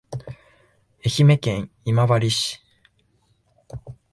愛媛県今治市